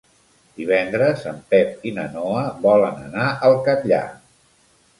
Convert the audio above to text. Divendres en Pep i na Noa volen anar al Catllar.